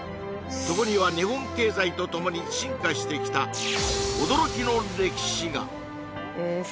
そこには日本経済とともに進化してきた驚きの歴史が！え